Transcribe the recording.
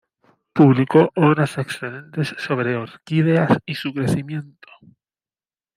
Publicó obras excelentes sobre orquídeas y su crecimiento.